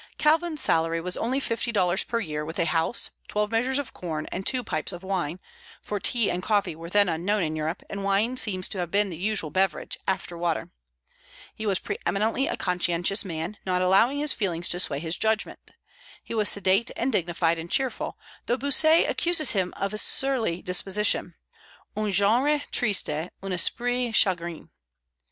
Calvin's salary was only fifty dollars a year, with a house, twelve measures of corn, and two pipes of wine; for tea and coffee were then unknown in Europe, and wine seems to have been the usual beverage, after water. He was pre eminently a conscientious man, not allowing his feelings to sway his judgment. He was sedate and dignified and cheerful; though Bossuet accuses him of a surly disposition, un genre triste, un esprit chagrin.